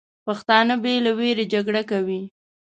پښتانه بې له ویرې جګړه کوي.